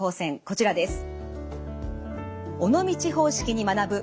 こちらです。